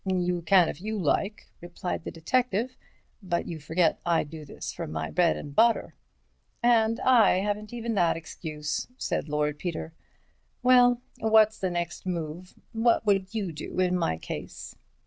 "You can if you like," replied the detective; "but you forget I do this for my bread and butter." "And I haven't even that excuse," said Lord Peter; "well, what's the next move? What would you do in my case?"